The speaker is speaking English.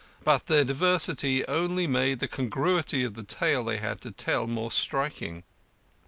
But their diversity only made the congruity of the tale they had to tell more striking.